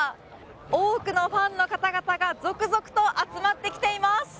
多くのファンの方々が続々と集まってきています。